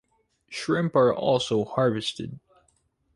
Shrimp are also harvested.